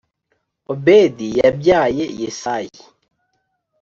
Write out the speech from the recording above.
, Obedi yabyaye Yesayi,